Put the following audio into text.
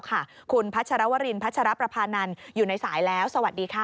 คุณพัชรวรินพัชรประพานันอยู่ในสายแล้วสวัสดีค่ะ